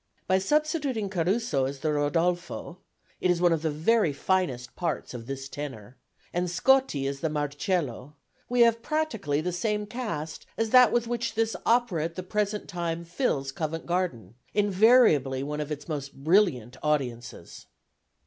By substituting Caruso as the Rodolfo it is one of the very finest parts of this tenor and Scotti as the Marcello, we have practically the same cast as that with which this opera at the present time fills Covent Garden; invariably one of its most brilliant audiences.